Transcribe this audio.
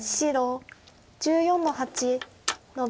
白１４の八ノビ。